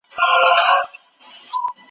د مغولو اسلام منل لویه تاریخي پېښه ده.